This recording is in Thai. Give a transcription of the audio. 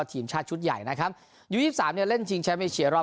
ทีมชาติชุดใหญ่นะครับอียูยี่สิบสามเนี่ยเล่นกระโลย